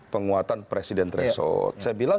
penguatan presiden threshold saya bilang